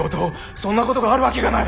そんなことがあるわけがない。